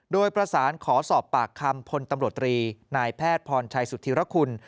โดยประสานขอสอบปากคำพลตำรวจตรีนายแพทย์พรชัยสุธิรคุณ